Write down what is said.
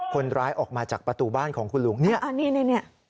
คนร้ายออกมาจากประตูบ้านของคุณลุงเนี่ยอันนี้เนี่ย